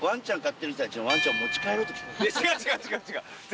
違う違う違う違う。